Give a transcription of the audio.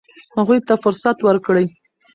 هغوی ته فرصت ورکړئ.